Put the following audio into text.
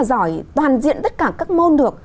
giỏi toàn diện tất cả các môn được